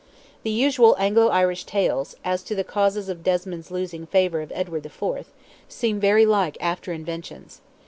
The usual Anglo Irish tales, as to the causes of Desmond's losing the favour of Edward IV., seem very like after inventions.